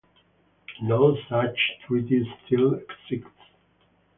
No such treaty still exists.